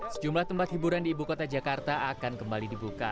sejumlah tempat hiburan di ibu kota jakarta akan kembali dibuka